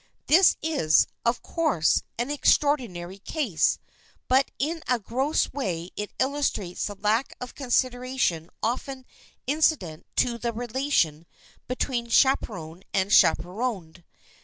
This is, of course, an extraordinary case, but in a gross way it illustrates the lack of consideration often incident to the relation between chaperon and chaperoned.